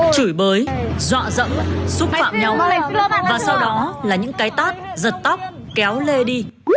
chửi bới dọa dẫm xúc phạm nhau và sau đó là những cái tát giật tóc kéo lê đi